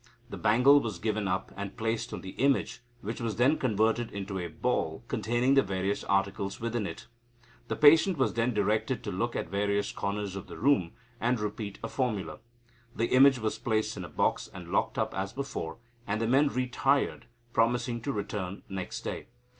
The bangle was given up, and placed on the image, which was then converted into a ball containing the various articles within it. The patient was then directed to look at various corners of the room, and repeat a formula. The image was placed in a box, and locked up as before, and the men retired, promising to return next day.